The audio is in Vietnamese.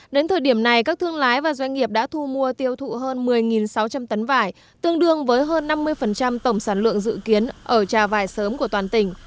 đến thời điểm này các thương lái và doanh nghiệp đã thu mua tiêu thụ hơn một mươi sáu trăm linh tấn vải tương đương với hơn năm mươi tổng sản lượng dự kiến ở trà vải sớm của toàn tỉnh